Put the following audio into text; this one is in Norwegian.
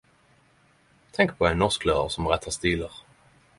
Tenk på ein norsklærar som rettar stilar.